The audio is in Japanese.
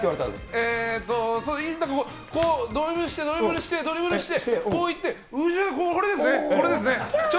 えーっと、こう、ドリブルして、ドリブルして、ドリブルして、こういって、後ろにこれですね、きゃー。